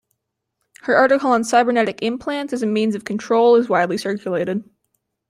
Her article on cybernetic implants as a means of control is widely circulated.